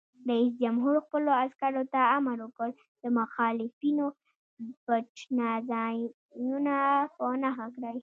رئیس جمهور خپلو عسکرو ته امر وکړ؛ د مخالفینو پټنځایونه په نښه کړئ!